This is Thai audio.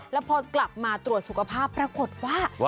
แล้วพอกลับมาตรวจสุขภาพปรากฏว่า